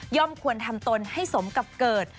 ควรทำตนให้สมกับเกิด